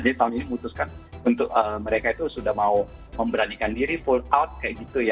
jadi tahun ini memutuskan untuk mereka itu sudah mau memberanikan diri full out kayak gitu ya